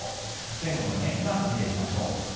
全国の天気マーク見ていきましょう。